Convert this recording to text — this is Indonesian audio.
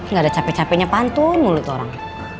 nggak ada capek capeknya pantun mulut orang